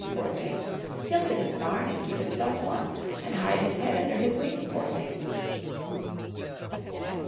Poor thing! He'll sit in the barn And keep himself warm, And hide his head under his wing. Poor thing!